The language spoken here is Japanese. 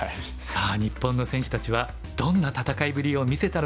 さあ日本の選手たちはどんな戦いぶりを見せたのでしょうか。